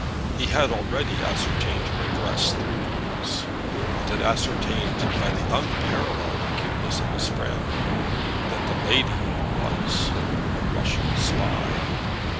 He had already ascertained her address through Doodles, and had ascertained by the unparalleled acuteness of his friend that the lady was a Russian spy.